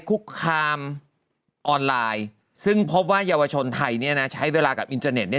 คุกคามออนไลน์ซึ่งพบว่าเยาวชนไทยเนี่ยนะใช้เวลากับอินเทอร์เน็ตเนี่ย